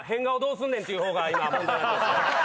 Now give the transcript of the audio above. ていう方が今問題なんです。